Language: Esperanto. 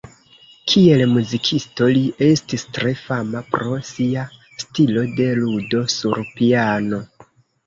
Kiel muzikisto li estis tre fama pro sia stilo de ludo sur piano.